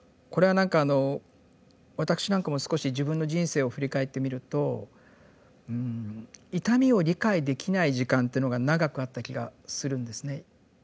これは何か私なんかも少し自分の人生を振り返ってみると痛みを理解できない時間っていうのが長くあった気がするんですね。